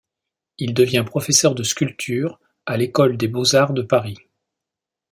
Il devient professeur de sculpture à l’École des beaux-arts de Paris.